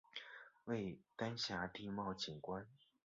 为丹霞地貌景观。